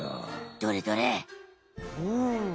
どれどれお。